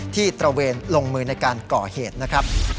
ตระเวนลงมือในการก่อเหตุนะครับ